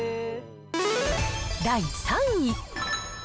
第３位。